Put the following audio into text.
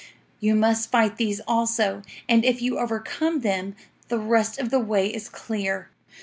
You must fight these also, and if you overcome them, the rest of the way is clear."